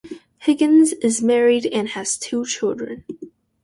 Higgins is married and has two children.